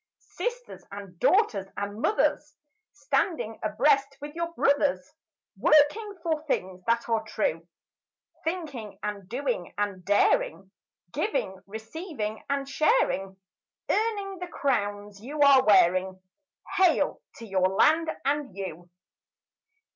Sisters and daughters and mothers, Standing abreast with your brothers, Working for things that are true; Thinking and doing and daring, Giving, receiving, and sharing, Earning the crowns you are wearing— Hail to your land and you!